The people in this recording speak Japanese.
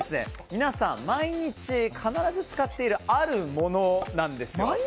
皆さん毎日必ず使っているあるものなんですよ。